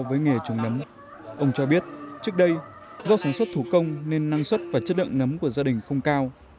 ông cho biết trước đây do sản xuất thủ công nên năng suất và chất lượng nấm của gia đình không cao